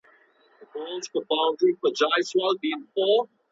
فقهاوو د طلاق د شرطونو اړوند تفصيلي بحث کړی دی.